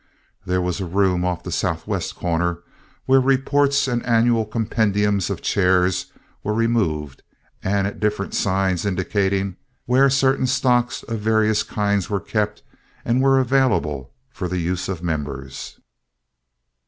There was a room off the southwest corner, where reports and annual compendiums of chairs were removed and at different signs indicating where certain stocks of various kinds were kept and were available for the use of members.